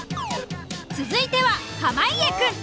続いては濱家くん。